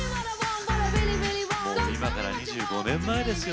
もう今から２５年前ですよ